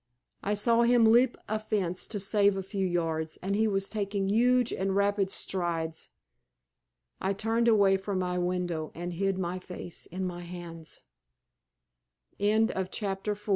I saw him leap a fence to save a few yards, and he was taking huge and rapid strides. I turned away from my window and hid my face in my hands. CHAPTER V A SOUTH AMERIC